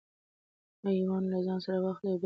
ایوانان له ځان سره واخلئ او بیا حرکت وکړئ.